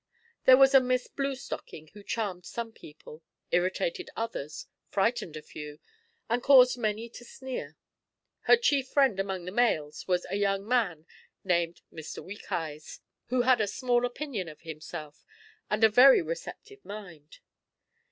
There was a Miss Bluestocking who charmed some people, irritated others, frightened a few, and caused many to sneer. Her chief friend among the males was a young man named Mr Weakeyes, who had a small opinion of himself and a very receptive mind.